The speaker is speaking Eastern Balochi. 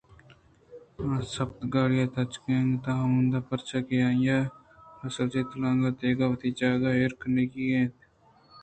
اسپ گاڑی تاچ انگتءَ ہمدا اَت پرچاکہ آئی ءَ راسلیج تیلانک دیگ ءُ وتی جاگہ ءَایر کنگی اَت ءُاسپان چہ گاڑی ءَ پچ کنگ ءُآوانی بنجاہ ءَ برگی اَت